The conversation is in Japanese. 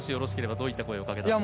どういった声をかけたんですか。